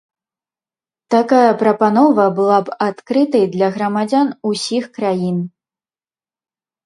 Такая прапанова была б адкрытай для грамадзян усіх краін.